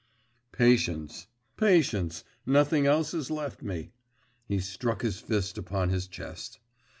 'Patience … patience … nothing else is left me. (He struck his fist upon his chest.)